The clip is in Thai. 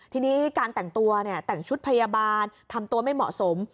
ทีนี้การแต่งตัวแต่งชุดพยาบาลทำตัวไม่เหมาะสม